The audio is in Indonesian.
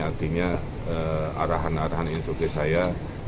artinya arahan arahan instruksi saya